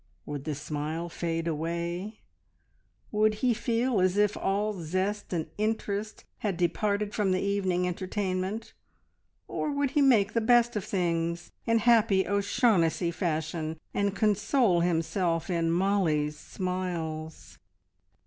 Would the smile fade away, would he feel as if all zest and interest had departed from the evening entertainment, or would he make the best of things in happy O'Shaughnessy fashion and console himself in Mollie's smiles?